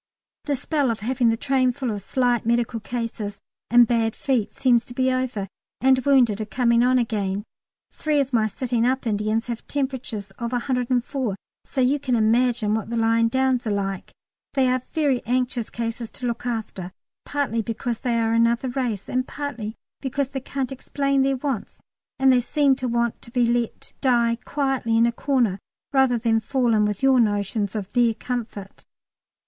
The spell of having the train full of slight medical cases and bad feet seems to be over, and wounded are coming on again. Three of my sitting up Indians have temperatures of 104, so you can imagine what the lying downs are like. They are very anxious cases to look after, partly because they are another race and partly because they can't explain their wants, and they seem to want to be let die quietly in a corner rather than fall in with your notions of their comfort.